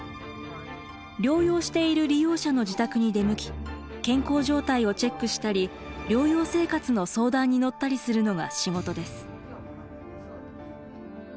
療養している利用者の自宅に出向き健康状態をチェックしたり療養生活の相談に乗ったりするのが仕事です。